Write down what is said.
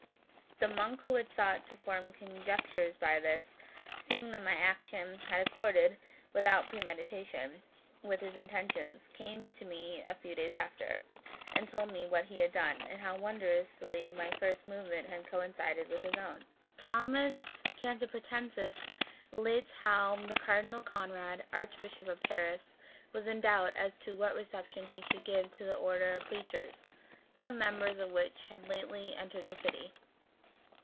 The monk who had sought to form conjectures by this, seeing that my action had accorded, without premeditation, with his intentions, came to me a few days after, and told me what he had done, and how wondrously my first movement had coincided with his own." 260 Sortes Sacrae Thomas Cantipratensis relates how that Cardinal Conrad, Archbishop of Paris, was in doubt as to what reception he should give to the Order of Preachers, some members of which had lately entered the city.